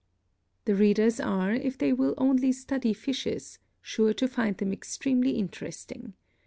The readers are, if they will only study fishes, sure to find them extremely interesting.